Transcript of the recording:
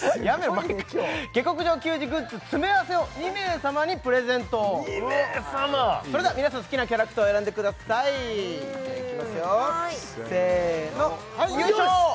毎回「下剋上球児」グッズ詰め合わせを２名様にプレゼント２名様それでは皆さん好きなキャラクターを選んでくださいいきますよせーのよいしょ